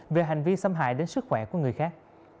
về hành vi xâm hại đến sức khỏe của người khác